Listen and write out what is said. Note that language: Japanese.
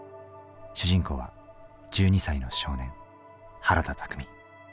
主人公は１２歳の少年原田巧。